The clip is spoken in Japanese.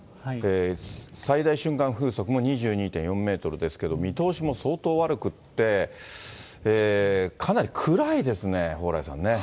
最大瞬間風速も２２．４メートルですけれども、見通しも相当悪くって、かなり暗いですね、蓬莱さんね。